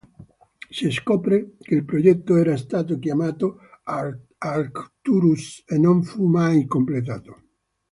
Si scopre che il progetto era stato chiamato Arcturus e non fu mai completato.